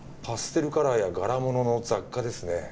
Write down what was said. パステルカラーや柄物の雑貨ですね。